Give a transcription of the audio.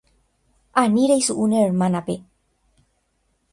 Ani reisu'u ne hérmanape.